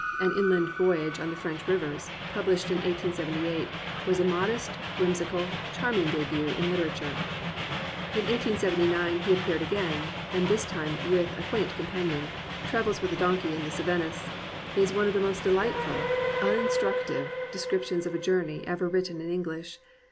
An Inland Voyage on French Rivers, published in 1878, was a modest, whimsical, charming d6but in literature. In 1879 he appeared again, and this time with a quaint companion. Travels with a Don key in the Cevennes is one of the most delightful, uninstructive descriptions of a journey ever written in English.